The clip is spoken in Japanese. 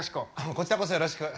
こちらこそよろしく。